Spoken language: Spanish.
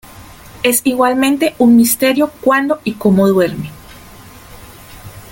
Es igualmente un misterio cuándo y cómo duerme.